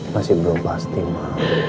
masih belum pasti ma